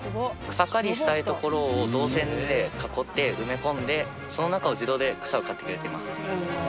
草刈りしたいところを銅線で囲って埋め込んでその中を自動で草を刈ってくれてます。